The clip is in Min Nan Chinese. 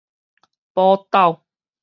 寶斗